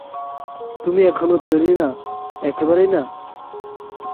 তুমি এখনো তৈরি না, একেবারেই না।